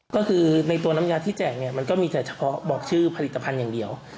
ก็คือในตัวน้ำยาที่แจกเนี่ยมันก็มีแต่เฉพาะบอกชื่อผลิตภัณฑ์อย่างเดียว